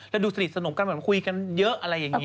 และดูสนิทสนมกันคุยกันเยอะอะไรอย่างนี้